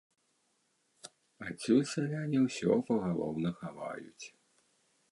Адсюль сяляне ўсё пагалоўна хаваюць.